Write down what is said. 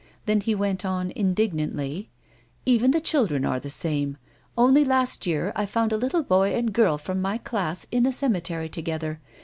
Then he went on indignantly : "Even the children are the same. Only last year I found a little boy and girl from my class in the cemetery together.